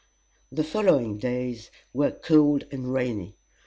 The following days were cold and rainy.